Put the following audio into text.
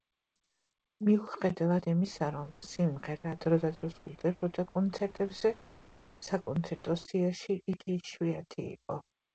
მიუხედავად იმისა, რომ სიმღერა დრო და დრო სრულდებოდა კონცერტებზე, საკონცერტო სიაში იგი იშვიათი იყო.